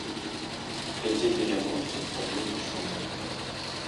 Вядзе дыялог са сваёй душой.